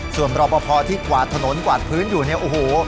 ส่วนบรอบพอที่กวาดถนนกวาดพื้นอยู่ในโอ้โห